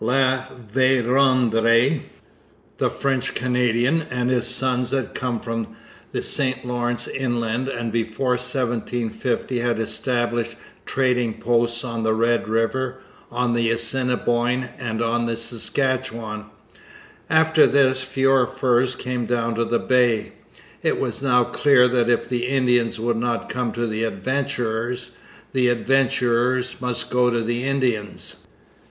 La Vérendrye, the French Canadian, and his sons had come from the St Lawrence inland and before 1750 had established trading posts on the Red river, on the Assiniboine, and on the Saskatchewan. After this fewer furs came down to the Bay. It was now clear that if the Indians would not come to the adventurers, the adventurers must go to the Indians.